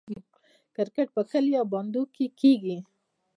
کرکټ په کلیو او بانډو کې کیږي.